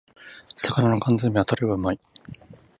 魚の缶詰めはタレがうまい